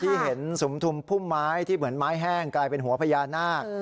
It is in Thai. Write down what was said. ที่เห็นสุมทุมพุ่มไม้ที่เหมือนไม้แห้งกลายเป็นหัวพญานาค